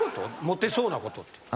モテそうなことって。